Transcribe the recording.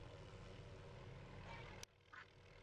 还有一个优点是燃气循环的涡轮机寿命更长更可靠。